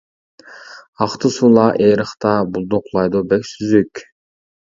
ئاقتى سۇلار ئېرىقتا، بۇلدۇقلايدۇ بەك سۈزۈك.